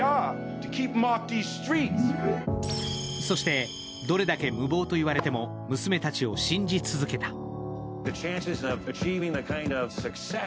そして、どれだけ無謀と言われても娘たちを信じ続けた。